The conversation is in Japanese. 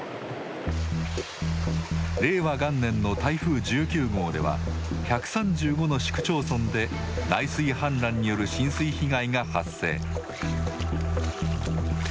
令和元年の台風１９号では１３５の市区町村で内水氾濫による浸水被害が発生。